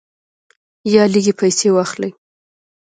یا لږې پیسې واخلې.